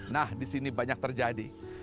nah disini banyak terjadi